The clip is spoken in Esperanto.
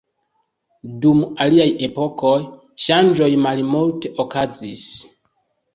Dum aliaj epokoj, ŝanĝoj malmulte okazis.